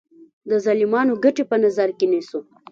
د ظالمانو ګټې په نظر کې نیسو.